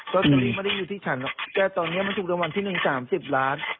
ก็ลูกชายไม่ได้อยู่ที่ฉันแต่ตอนนี้มันถูกรางวัลที่๑๓๐ล้าน